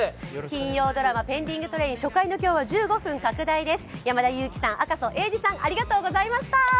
金曜ドラマ「ペンディングトレイン」初回の今日は１５分拡大です。